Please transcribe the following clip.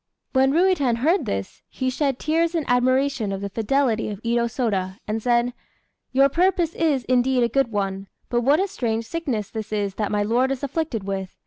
When Ruiten heard this, he shed tears in admiration of the fidelity of Itô Sôda, and said "Your purpose is, indeed, a good one; but what a strange sickness this is that my lord is afflicted with!